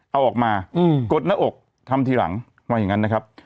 เอาออกมากดหน้าอกทำทีหลังว่าอย่างนั้นนะครับ